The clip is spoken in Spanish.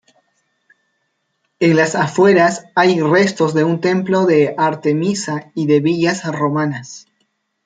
En las afueras hay restos de un templo de Artemisa y de villas romanas.